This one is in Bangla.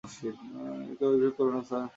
কেউ অভিযোগ করবে না, স্যার।